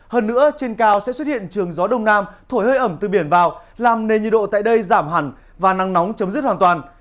hơn nữa trên cao sẽ xuất hiện trường gió đông nam thổi hơi ẩm từ biển vào làm nền nhiệt độ tại đây giảm hẳn và nắng nóng chấm dứt hoàn toàn